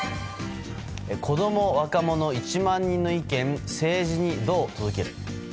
こども・若者１万人の意見政治にどう届ける？